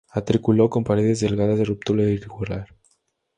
Utrículo con paredes delgadas, de ruptura irregular.